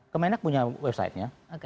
kemenak punya websitenya